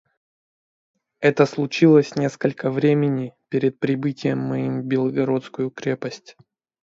Это случилось несколько времени перед прибытием моим в Белогорскую крепость.